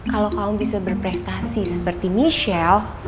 kalau kamu bisa berprestasi seperti michelle